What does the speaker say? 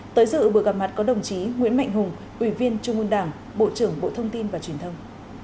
tới dự buổi gặp mặt có đồng chí nguyễn mạnh hùng ủy viên trung ương đảng bộ trưởng bộ thông tin và truyền thông